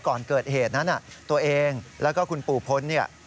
ก่อนเกิดเหตุนั้นตัวเองและคุณปู่พ้น